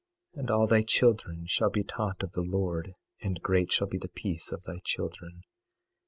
22:13 And all thy children shall be taught of the Lord; and great shall be the peace of thy children.